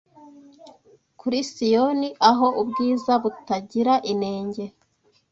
Kuri Siyoni aho ubwiza butagira inenge